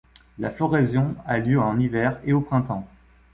La floraison a lieu en hiver et au printemps.